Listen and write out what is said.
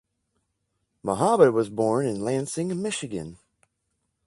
Muhammad was born in Lansing, Michigan.